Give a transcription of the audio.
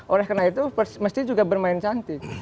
oleh karena itu mesti juga bermain cantik